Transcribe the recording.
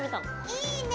いいね。